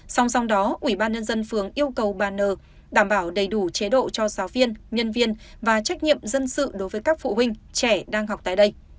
song song đó ủy ban nhân dân phường yêu cầu bà n đảm bảo đầy đủ chế độ cho giáo viên nhân viên và trách nhiệm dân sự đối với các phụ huynh trẻ đang học tại đây